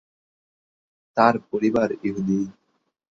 তার পরিবার ইহুদি।